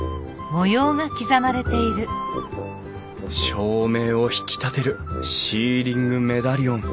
照明を引き立てるシーリングメダリオン。